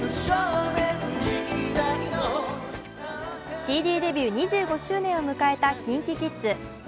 ＣＤデビュー２５周年を迎えたＫｉｎＫｉＫｉｄｓ。